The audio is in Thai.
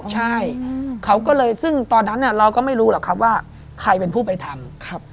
ใช่เขาก็เลยซึ่งตอนนั้นเราก็ไม่รู้หรอกครับว่าใครเป็นผู้ไปทำ